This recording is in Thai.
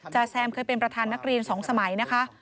แซมเคยเป็นประธานนักเรียน๒สมัยนะคะ